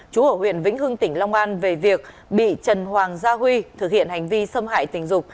chú ở huyện vĩnh hưng tỉnh long an về việc bị trần hoàng gia huy thực hiện hành vi xâm hại tình dục